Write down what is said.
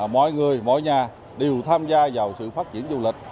mọi người mọi nhà đều tham gia vào sự phát triển du lịch